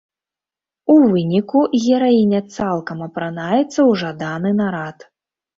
У выніку гераіня цалкам апранаецца ў жаданы нарад.